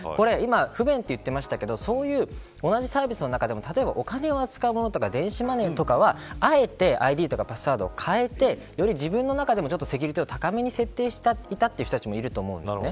今、不便と言ってましたけど同じサービスの中でも例えば、お金を扱うものとか電子マネーとかはあえてＩＤやパスワードを変えてより自分の中でセキュリティーを高めに設定していたという人もいると思うんです。